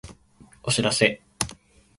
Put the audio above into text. お知らせ